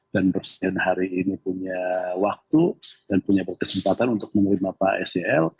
dan presiden hari ini punya waktu dan punya kesempatan untuk menerima pak sel